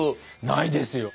ないですよ。